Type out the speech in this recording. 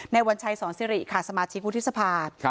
วัญชัยสอนสิริค่ะสมาชิกวุฒิสภา